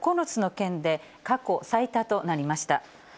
９つの県で過去最多となりました。